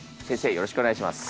よろしくお願いします。